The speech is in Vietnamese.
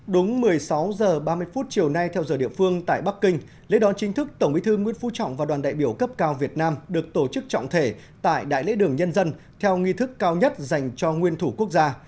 đúng một mươi sáu h ba mươi phút chiều nay theo giờ địa phương tại bắc kinh lễ đón chính thức tổng bí thư nguyễn phú trọng và đoàn đại biểu cấp cao việt nam được tổ chức trọng thể tại đại lễ đường nhân dân theo nghi thức cao nhất dành cho nguyên thủ quốc gia